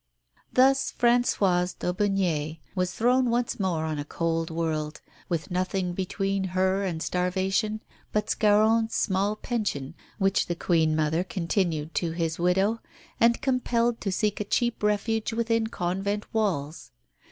Thus Françoise d'Aubigné was thrown once more on a cold world, with nothing between her and starvation but Scarron's small pension, which the Queen mother continued to his widow, and compelled to seek a cheap refuge within convent walls.